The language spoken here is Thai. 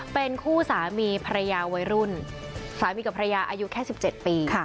เป็นคู่สามีภรรยาวัยรุ่นสามีกับภรรยาอายุแค่๑๗ปี